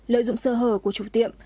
lợi dụng sơ hở của chủ tiệm